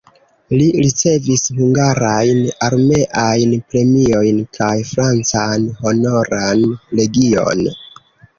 Li ricevis hungarajn armeajn premiojn kaj francan Honoran legion.